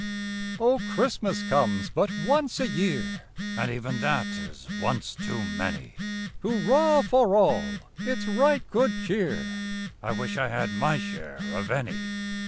O, CHRISTMAS comes but once a year! (And even that is once too many;) Hurrah for all its right good cheer! (_I wish I had my share of any!